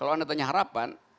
kalau anda tanya harapan